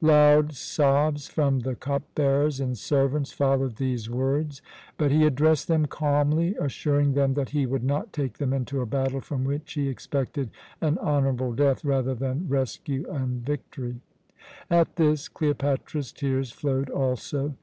Loud sobs from the cup bearers and servants followed these words; but he addressed them calmly, assuring them that he would not take them into a battle from which he expected an honourable death rather than rescue and victory. At this Cleopatra's tears flowed also.